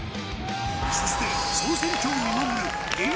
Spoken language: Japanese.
そして。